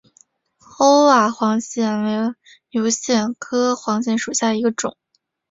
欧瓦黄藓为油藓科黄藓属下的一个种。